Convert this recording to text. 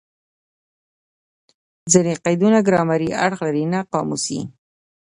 ځیني قیدونه ګرامري اړخ لري؛ نه قاموسي.